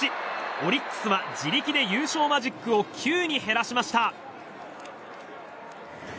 オリックスは自力で優勝マジックを９に減らしました。